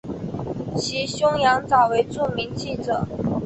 其兄羊枣为著名记者。